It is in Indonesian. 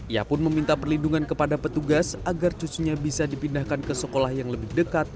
ia pun meminta perlindungan kepada petugas agar cucunya bisa dipindahkan ke sekolah yang lebih dekat